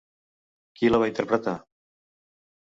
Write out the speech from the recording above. Qui la va interpretar?